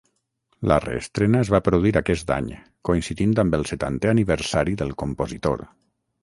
La reestrena es va produir aquest any, coincidint amb el setantè aniversari del compositor.